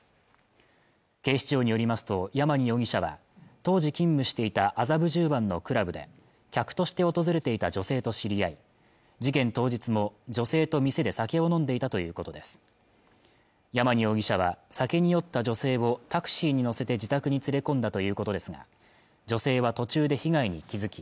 警視庁によりますとヤマニ容疑者は当時勤務していた麻布十番のクラブで客として訪れていた女性と知り合い事件当日も女性と店で酒を飲んでいたということですヤマニ容疑者は酒に酔った女性をタクシーに乗せて自宅に連れ込んだということですが女性は途中で被害に気付き